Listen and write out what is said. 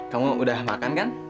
kamu udah makan kan